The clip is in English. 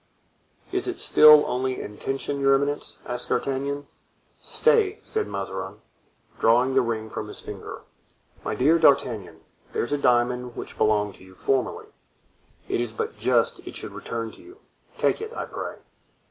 "Is it still only an intention, your eminence?" asked D'Artagnan. "Stay," said Mazarin, drawing the ring from his finger, "my dear D'Artagnan, there is a diamond which belonged to you formerly, it is but just it should return to you; take it, I pray."